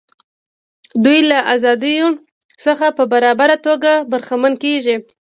دوی له ازادیو څخه په برابره توګه برخمن کیږي.